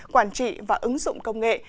quản trị và ứng dụng công nghệ